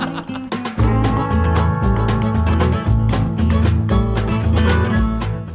อันนี้แต่วิทยาลัย